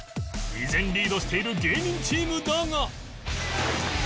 依然リードしている芸人チームだが